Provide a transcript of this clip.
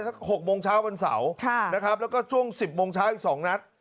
สัก๖โมงเช้าบรรเสาแล้วก็ช่วง๑๐โมงเช้าอีก๒นัท